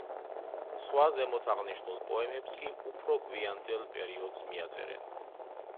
სხვა ზემოთ აღნიშნულ პოემებს კი უფრო გვიანდელ პერიოდს მიაწერენ.